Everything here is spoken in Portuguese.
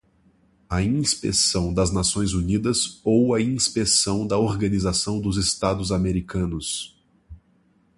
a inspeção das Nações Unidas ou a inspeção da Organização dos Estados Americanos